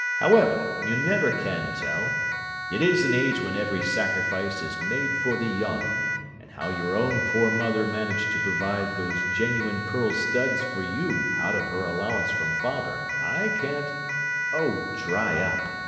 However, you never can tell, it is an age when every sacrifice is made for the young, and how your own poor mother managed to provide those genuine pearl studs for you out of her allowance from father, I can't—" "Oh, dry up!"